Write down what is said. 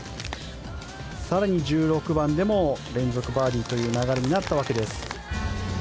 更に１６番でも連続バーディーという流れになったわけです。